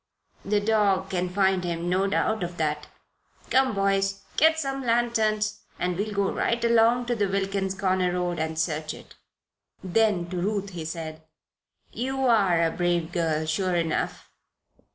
"The dog can find him no doubt of that. Come, boys, get some lanterns and we'll go right along to the Wilkins Corners road and search it." Then to Ruth he said: "You are a brave girl, sure enough."